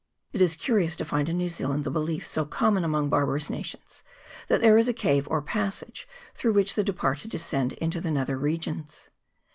It is curious to find in New Zealand the belief so common among barbarous nations, that there is a cave or passage through which the departed descend into the nether regions.